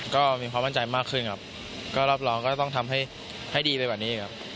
ก็มีความมั่นใจมากขึ้นครับก็รอบรองก็จะต้องทำให้ให้ดีไปกว่านี้ครับ